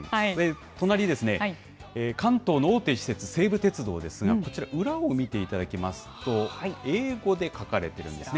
隣ですね、関東の大手私鉄、西武鉄道ですが、こちら、裏を見ていただきますと、英語で書かれているんですね。